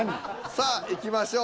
さあいきましょう。